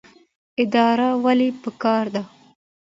اراده ولې پکار ده؟